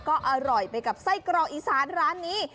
ก็อร่อยไปกับไส้กรอกอีสานร้านนี้